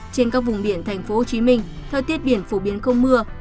trên các vùng biển thành phố hồ chí minh thời tiết biển phổ biến không mưa